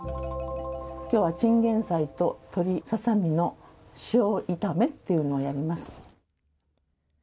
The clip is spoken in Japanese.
きょうはチンゲン菜と鶏ササミの塩炒めっていうのをやります。